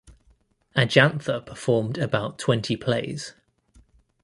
Ajantha performed about twenty plays.